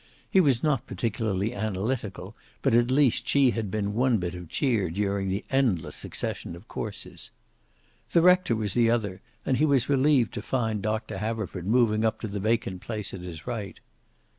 He was not particularly analytical, but at least she had been one bit of cheer during the endless succession of courses. The rector was the other, and he was relieved to find Doctor Haverford moving up to the vacant place at his right.